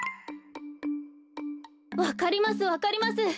わかりますわかります。